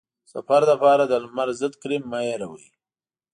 د سفر لپاره د لمر ضد کریم مه هېروه.